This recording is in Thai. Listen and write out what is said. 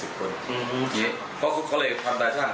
อืมครับเพราะเขาเลยทำได้ใช่ไหม